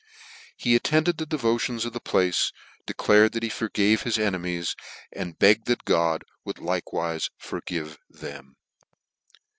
He attended the devotions of the place, declared that he f rgave his enemies, ana begged that God would likewife forgive them.